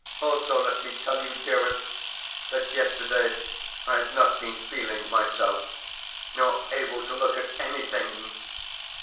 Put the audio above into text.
Also let me tell you, dearest, that yesterday I had not been feeling myself, nor able to look at anything.